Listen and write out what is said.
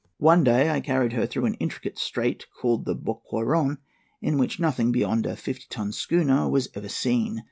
One day I carried her through an intricate strait called the Boqueron, in which nothing beyond a fifty ton schooner was ever seen.